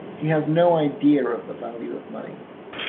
He has no idea of the value of money.